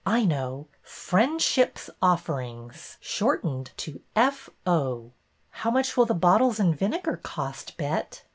I know ! Friendship's Offerings, shortened to F. O." " How much will the bottles and vinegar cost. Bet?"